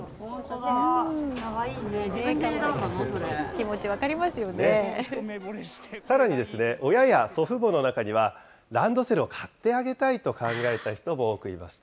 気持ち、さらに、親や祖父母の中には、ランドセルを買ってあげたいと考えた人も多くいました。